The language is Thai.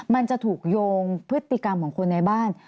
มันจะถูกโยงพฤติกรรมของคนในบ้าน